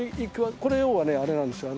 これ要はねあれなんですよ。